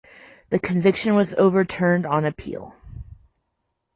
The conviction was overturned on appeal.